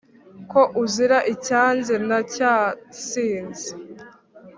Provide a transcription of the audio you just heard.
ko uzira icyanze na cya sinzi,